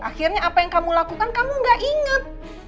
akhirnya apa yang kamu lakukan kamu gak ingat